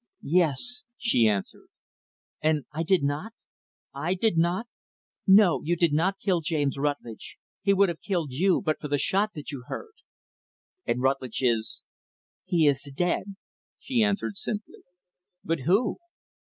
"Yes," she answered. "And I did not I did not ?" "No. You did not kill James Rutlidge. He would have killed you, but for the shot that you heard." "And Rutlidge is ?" "He is dead," she answered simply. "But who